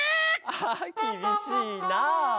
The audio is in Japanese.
あきびしいなあ。